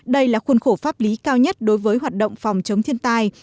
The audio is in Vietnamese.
đây là khuôn khổ pháp lý cao nhất đối với hoạt động phòng chống thiên tai